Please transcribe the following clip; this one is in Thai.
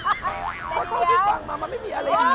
เมื่อเท่าที่ฟังมันไม่มีอะไรดี